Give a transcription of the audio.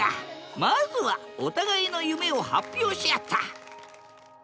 まずはお互いの夢を発表し合った！